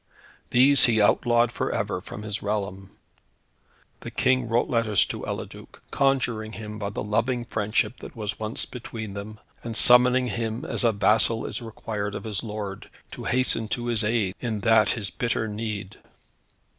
These he outlawed for ever from his realm. The King wrote letters to Eliduc, conjuring him by the loving friendship that was once between them, and summoning him as a vassal is required of his lord, to hasten to his aid, in that his bitter need.